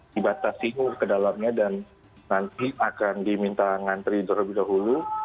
dibatasi ke dalamnya dan nanti akan diminta ngantri terlebih dahulu